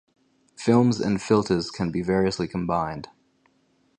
Films and filters can be variously combined.